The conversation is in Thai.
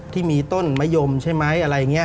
ที่มีต้นมะยมใช่ไหมอะไรอย่างนี้